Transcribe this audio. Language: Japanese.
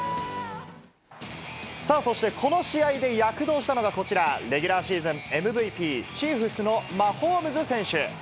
さあ、そして、この試合で躍動したのがこちら、レギュラーシーズンＭＶＰ、チーフスのマホームズ選手。